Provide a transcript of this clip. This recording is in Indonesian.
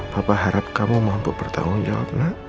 bapak harap kamu mampu bertanggung jawab nak